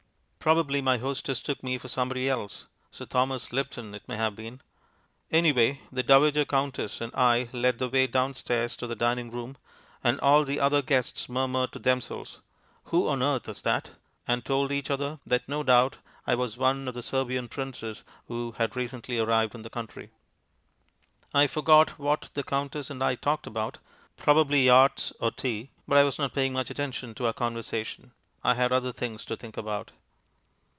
Probably my hostess took me for somebody else Sir Thomas Lipton, it may have been. Anyway the Dowager Countess and I led the way downstairs to the dining room, and all the other guests murmured to themselves, "Who on earth is that?" and told each other that no doubt I was one of the Serbian Princes who had recently arrived in the country. I forgot what the Countess and I talked about; probably yachts, or tea; but I was not paying much attention to our conversation. I had other things to think about.